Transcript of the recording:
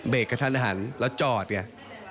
เบรกกันทันแล้วจอดไง